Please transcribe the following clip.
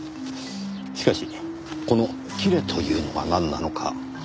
しかしこの「キレ」というのはなんなのか。